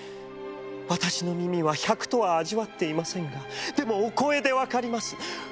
私の耳は百とは味わっていませんがでもお声でわかります。